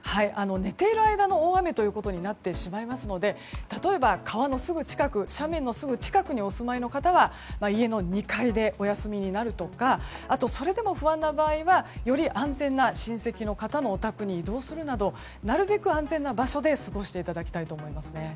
寝ている間の大雨となってしまいますので例えば、川のすぐ近く斜面のすぐ近くにお住まいの方は家の２階でお休みになるとかそれでも不安な場合はより安全な親戚の方のお宅に移動するなどなるべく安全な場所で過ごしていただきたいと思います。